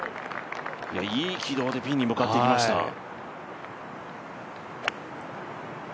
いい軌道でピンに向かっていきました。